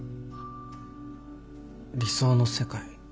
理想の世界？